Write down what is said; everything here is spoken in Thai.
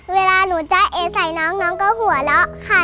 เวลาหนูจะเอใส่น้องน้องก็หัวเราะค่ะ